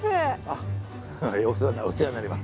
あっお世話になります。